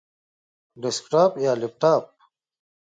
ډیسکټاپ یا لپټاپ؟